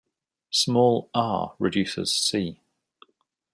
Small "R" reduces "C".